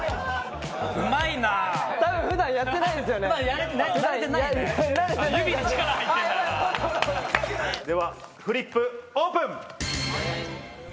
・うまいな・ではフリップオープン！